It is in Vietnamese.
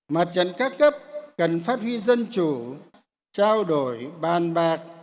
mặt trận các cấp cần phát huy dân chủ trao đổi bàn bạc